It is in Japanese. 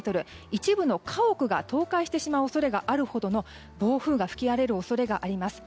一部の家屋が倒壊してしまう恐れがあるほどの暴風が吹き荒れる恐れがあります。